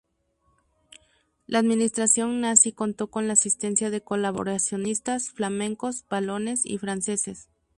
La Administración Nazi contó con la asistencia de colaboracionistas flamencos, valones y franceses.